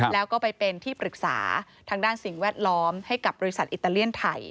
แล้วก็ไปเป็นที่ปรึกษาทางด้านสิ่งแวดล้อมให้กับบริษัทอิตาเลียนไทย